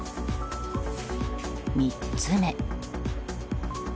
３つ目。